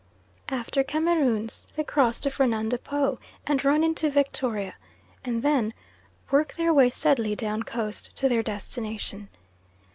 After Cameroons they cross to Fernando Po and run into Victoria, and then work their way steadily down coast to their destination.